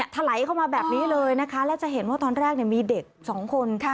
ถลายเข้ามาแบบนี้เลยนะคะแล้วจะเห็นว่าตอนแรกมีเด็กสองคน